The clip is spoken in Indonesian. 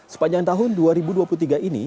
sepanjang tahun dua ribu dua puluh tiga ini